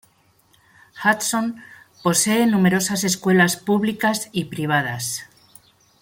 Hudson posee numerosas escuelas públicas y privadas.